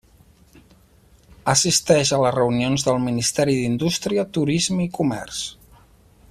Assisteix a les reunions del Ministeri d'Indústria, Turisme i Comerç.